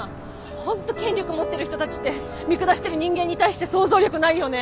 本当権力持ってる人たちって見下してる人間に対して想像力ないよね。